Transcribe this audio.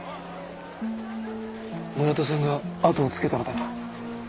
村田さんが後をつけたのだな。